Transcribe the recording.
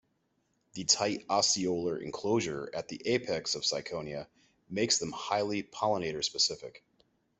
The tight ostiolar enclosure at the apex of syconia makes them highly pollinator-specific.